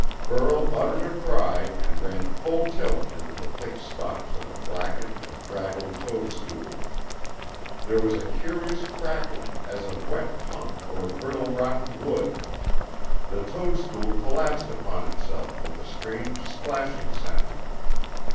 Burl uttered a cry and ran full tilt into the thick stalk of a blackened and draggled toadstool. There was a curious crackling as of wet punk or brittle rotten wood. The toadstool collapsed upon itself with a strange splashing sound.